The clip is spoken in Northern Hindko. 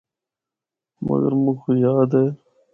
مگر مُک یاد اے۔